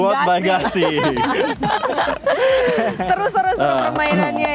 terus terus permainannya ya